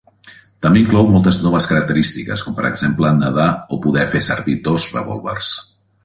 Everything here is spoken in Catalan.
També inclou moltes noves característiques, com per exemple nadar o poder fer servir dos revòlvers.